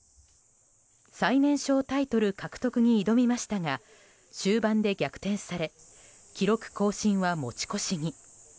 最年少タイトル獲得に挑みましたが終盤で逆転され記録更新は持ち越しに。